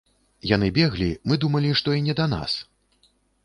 Яны беглі, мы думалі, што і не да нас.